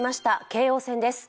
京王線です。